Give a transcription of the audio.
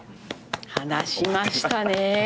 話しましたね。